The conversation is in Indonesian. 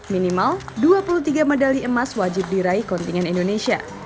minimal dua puluh tiga medali emas wajib diraih kontingen indonesia